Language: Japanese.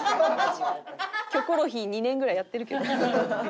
『キョコロヒー』２年ぐらいやってるけど。